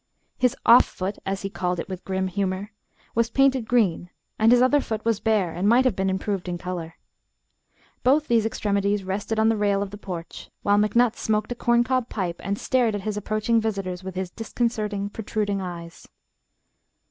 His "off foot," as he called it with grim humor, was painted green and his other foot was bare and might have been improved in color. Both these extremities rested on the rail of the porch, while McNutt smoked a corncob pipe and stared at his approaching visitors with his disconcerting, protruding eyes.